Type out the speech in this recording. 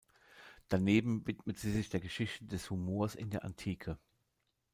Daneben widmet sie sich der Geschichte des Humors in der Antike.